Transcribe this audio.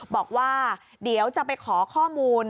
บอกว่าเดี๋ยวจะไปขอข้อมูล